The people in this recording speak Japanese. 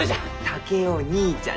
竹雄義兄ちゃん。